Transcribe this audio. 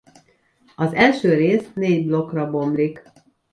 Az első rész négy blokkra bomlik.